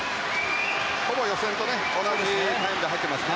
ほぼ予選と同じタイムで入っていますね。